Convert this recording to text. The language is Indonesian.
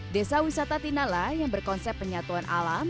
desa wisata tinala yang berkonsep penyatuan alam